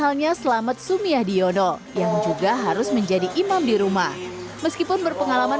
halnya selamet sumiyah diondo yang juga harus menjadi imam di rumah meskipun berpengalaman